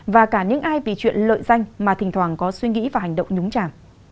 và cả những ai vì chuyện lợi danh mà thỉnh thoảng có suy nghĩ và hành động nhúng chảm